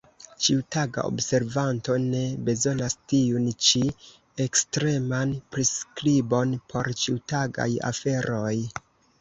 Ĉiutaga observanto ne bezonas tiun ĉi ekstreman priskribon por ĉiutagaj aferoj.